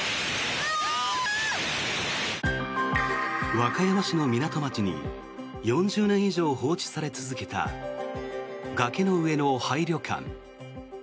和歌山市の港町に４０年以上放置され続けた崖の上の廃旅館。